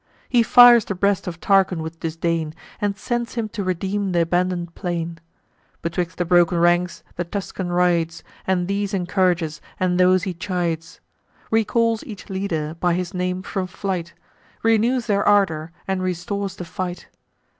He fires the breast of Tarchon with disdain, And sends him to redeem th' abandon'd plain. Betwixt the broken ranks the Tuscan rides, And these encourages, and those he chides; Recalls each leader, by his name, from flight; Renews their ardour, and restores the fight.